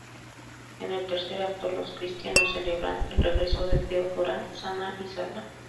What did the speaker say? En el tercer acto, los cristianos celebran el regreso de Theodora sana y salva.